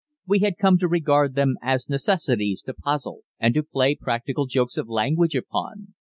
We had come to regard them as necessities to puzzle and to play practical jokes of language upon.